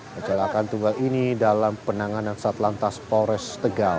pecelakaan tunggal ini dalam penanganan satlantas pores tegal